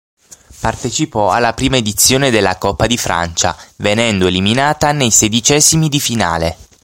Partecipò alla prima edizione della Coppa di Francia, venendo eliminata nei sedicesimi di finale.